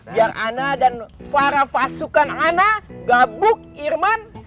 biar ana dan farah pasukan ana gabuk irman